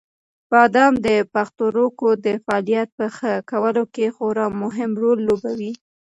بادام د پښتورګو د فعالیت په ښه کولو کې خورا مهم رول لوبوي.